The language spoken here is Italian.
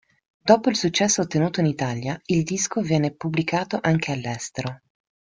Dopo il successo ottenuto in Italia, il disco viene pubblicato anche all'estero.